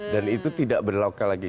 dan itu tidak berlaku lagi